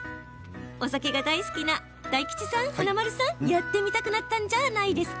お酒が大好きな華丸さん、大吉さんやってみたくなったんじゃないですか？